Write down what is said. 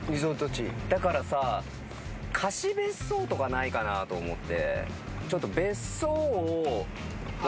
だからさ貸別荘とかないかなと思って。